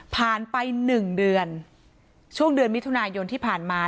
ไป๑เดือนช่วงเดือนมิถุนายนที่ผ่านมา